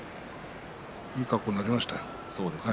いい格好になりましたよ。